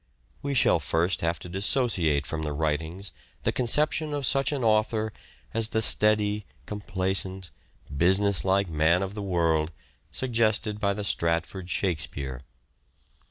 We shall first have to dissociate from the writings the conception of such an author as the steady, com placent, business like man of t he world, suggested by the Stratford Shakspere.